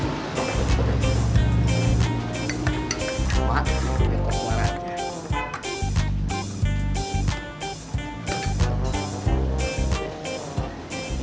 wah itu suaranya